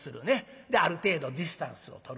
である程度ディスタンスをとるという。